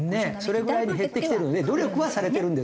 ねえそれぐらいに減ってきてるので努力はされてるんですよ。